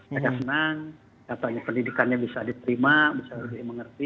maka senang katanya pendidikannya bisa diterima bisa lebih mengerti